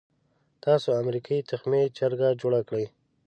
تاسو امریکې تخمي چرګه جوړه کړې.